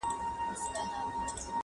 هم به مور هم به عالم درنه راضي وي.!